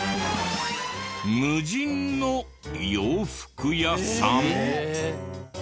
無人の洋服屋さん！